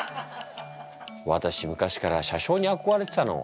私昔から車掌にあこがれてたの。